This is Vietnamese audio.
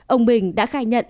ông bình đã khai nhận